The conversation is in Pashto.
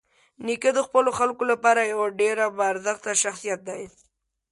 نیکه د خپلو خلکو لپاره یوه ډېره باارزښته شخصيت دی.